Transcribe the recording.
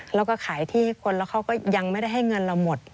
แล้วก็ขายที่คนแล้วเขาก็ยังไม่ได้ให้เงินเราหมด